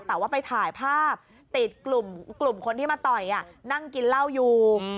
แต่ว่าไปถ่ายภาพติดกลุ่มคนที่มาต่อยนั่งกินเหล้าอยู่